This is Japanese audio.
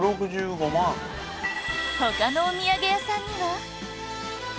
他のお土産屋さんには